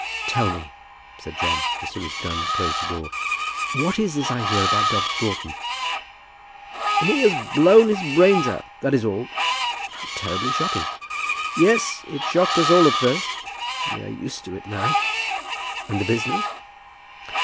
"Tell me," said John, as soon as Dunn had closed the door, "what is this I hear about Dobbs Broughton?" "He has blown his brains out. That is all." "How terribly shocking!" "Yes; it shocked us all at first. We are used to it now." "And the business?"